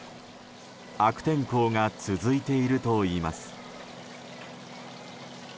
悪天候が続いているといいます。